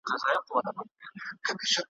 بیا یې هم `